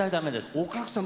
お客様も。